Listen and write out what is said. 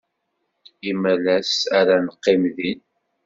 Imalas ara neqqim din.